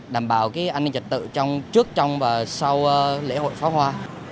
đảm bảo an ninh trật tự trước trong và sau lễ hội phó hoa